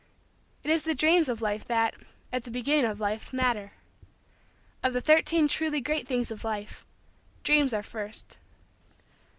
It is the dreams of life that, at the beginning of life, matter. Of the Thirteen Truly Great Things of Life, Dreams are first.